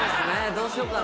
どうしようかな。